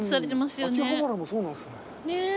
秋葉原もそうなんですね。ねぇ。